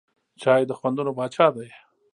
چای د خوندونو پاچا دی.